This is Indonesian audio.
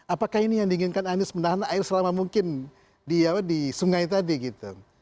apakah ini yang diinginkan anies menahan air selama mungkin di sungai tadi gitu